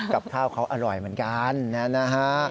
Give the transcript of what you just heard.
กับข้าวเขาอร่อยเหมือนกันนะฮะ